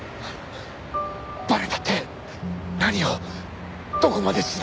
バレたって何をどこまで知られたんですか！？